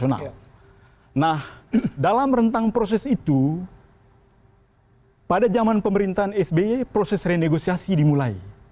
nah dalam rentang proses itu pada zaman pemerintahan sby proses renegosiasi dimulai